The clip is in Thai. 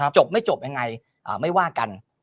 จบไม่จบยังไงไม่ว่ากัน